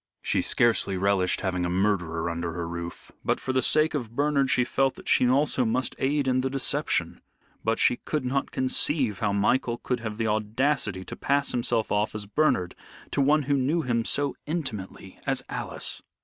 She scarcely relished having a murderer under her roof, but for the sake of Bernard she felt that she also must aid in the deception. But she could not conceive how Michael could have the audacity to pass himself off as Bernard to one who knew him so intimately as Alice.